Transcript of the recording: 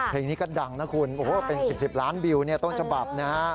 เพลงนี้ก็ดังนะคุณโอ้โหเป็น๑๐ล้านวิวต้นฉบับนะฮะ